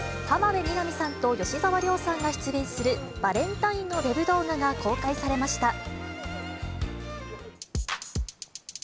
浜辺美波さんと吉沢亮さんが出演するバレンタインのウェブ動画が公開されました。